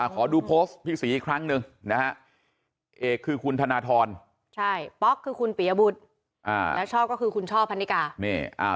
ขอดูโพสต์พี่ศรีอีกครั้งหนึ่งนะฮะเอกคือคุณธนทรใช่ป๊อกคือคุณปียบุตรแล้วชอบก็คือคุณช่อพันนิกา